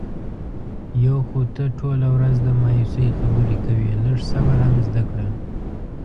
یو خو ته ټوله ورځ د مایوسی خبرې کوې. لږ صبر هم زده کړه.